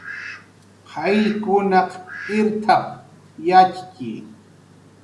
"Qayllkunaq irt""ap"" yatxki"